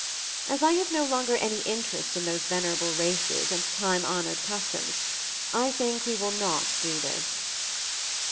As I have no longer any interest in those venerable races and time honored customs, I think we will not do this.